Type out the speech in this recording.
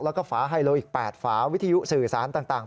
แล้วก็ฝาไฮโลอีก๘ฝาวิทยุสื่อสารต่าง